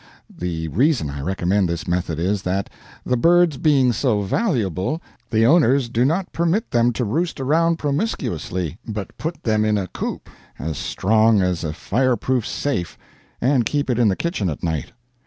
The reason I recommend this method is that, the birds being so valuable, the owners do not permit them to roost around promiscuously, but put them in a coop as strong as a fireproof safe and keep it in the kitchen at night.